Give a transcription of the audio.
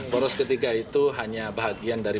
poros ketiga itu hanya bahagian dari